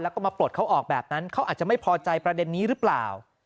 แล้วก็มาปลดเขาออกแบบนั้นเขาอาจจะไม่พอใจประเด็นนี้หรือเปล่า